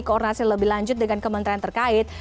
koordinasi lebih lanjut dengan kementerian terkait